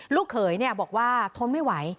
ลูกเคยเนี่ยบอกว่าทนไม่ไหว